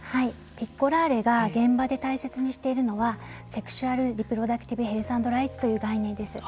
ピッコラーレが現場で大切にしているのはセクシャル・リプロダクティブヘルス＆ライツという概念です。